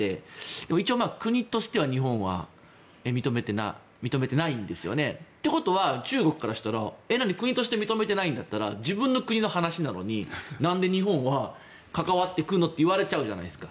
でも一応、国としては日本は認めてないんですよね。ということは中国としては国として認めてないんだったら自分の国の話なのに何で日本は関わってくるの？っていわれちゃうじゃないですか。